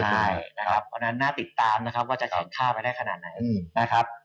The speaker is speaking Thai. เพราะฉะนั้นน่าติดตามนะครับว่าจะแข่งค่าไปได้ขนาดไหนนะครับ